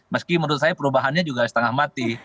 meski menurut saya perubahannya juga setengah mati